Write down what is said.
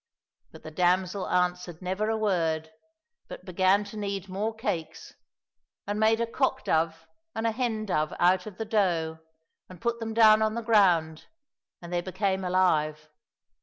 But the damsel answered never a word, but began to knead more cakes, and made a cock dove and a hen dove out of the dough and put them down on the ground, and they became alive.